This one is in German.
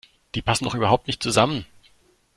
Die passen doch überhaupt nicht zusammen!